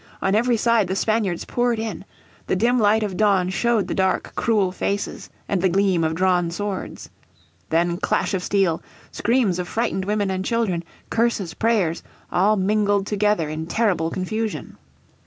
On every side the Spaniards poured in. The dim light of dawn showed the dark cruel faces, and the gleam of drawn swords. Then clash of steel, screams of frightened women and children, curses, prayers, all mingled together in terrible confusion.